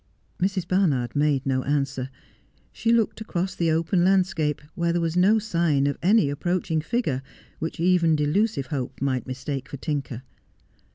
Mrs. Barnard made no answer. She looked across the open landscape, where there was no sign of any approaching figure, which even delusive hope might mistake for Tinker.